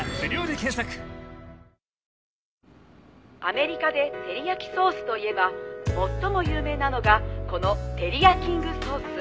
「アメリカでテリヤキソースといえば最も有名なのがこのテリヤキング・ソース」